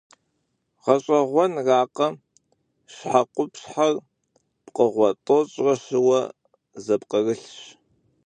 Гъэщӏэгъуэнракъэ, щхьэкъупщхьэр пкъыгъуэ тӏощӏрэ щыуэ зэпкърылъщ.